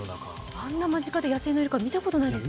あんな間近で野生のイルカ見たことないですよね。